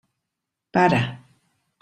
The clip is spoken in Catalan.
Para!